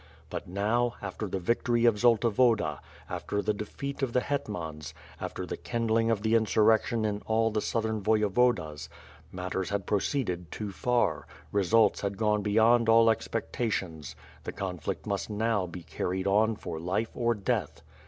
But now% after the victory of Zolta Woda, after the defeat of the hetmans, after the kindling of the insurrection in all the southern Voyevodas, matters had proceeded too far, results had gone beyond all expecta tions— ^the conflict mu5?t now be carried on for life or death.